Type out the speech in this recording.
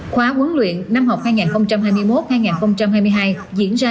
khóa huấn luyện năm học hai nghìn hai mươi một hai nghìn hai mươi hai diễn ra